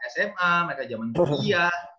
sma mereka zaman bukhia